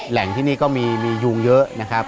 แหล่งที่นี่ก็มียุงเยอะนะครับ